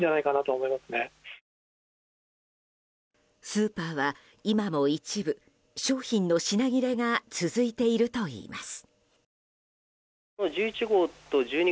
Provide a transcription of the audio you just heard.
スーパーは、今も一部商品の品切れが続いているといいます。